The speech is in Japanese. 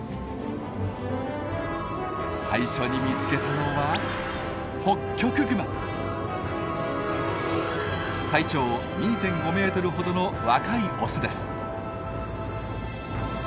最初に見つけたのは体長２．５ｍほどの若いオスです。